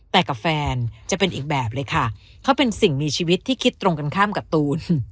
แต่กับแฟนจะเป็นอีกแบบเลยค่ะเขาเป็นสิ่งมีชีวิตที่คิดตรงกันข้ามกับตูน